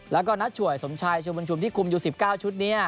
แล้วก็นัดช่วยสมชายชุมบัญชุมที่คุมอยู่๑๙ชุดนี้